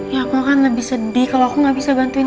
ya aku kan lebih sedih kalau aku gak bisa bantuin